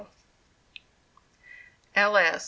[L. S.